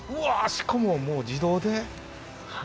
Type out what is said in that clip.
しかももう自動で。